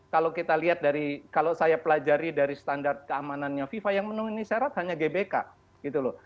kalau kita lihat dari kalau saya pelajari dari standar keamanannya fifa yang memenuhi syarat hanya gbk gitu loh